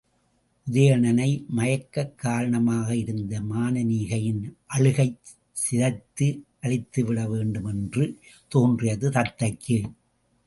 உதயணனை மயக்கக் காரணமாக இருந்த மானனீகையின் அழகைச் சிதைத்து அழித்துவிட வேண்டும் என்று தோன்றியது தத்தைக்கு.